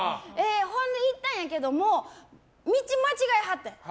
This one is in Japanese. ほんで、行ったんやけども道間違えはったん。